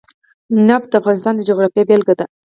نفت د افغانستان د جغرافیې بېلګه ده.